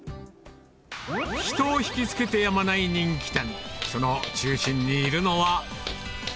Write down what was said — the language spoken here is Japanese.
人を引き付けてやまない人気店。